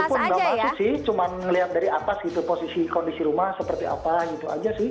ya itu pun nggak masuk sih cuma ngelihat dari atas gitu posisi kondisi rumah seperti apa gitu aja sih